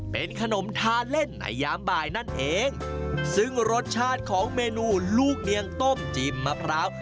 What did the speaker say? เป็นขนมทาเล่นในยามบ่ายนั่นเองซึ่งรสชาติของเมนูลูกเนียงต้มจิ้มมะพร้าว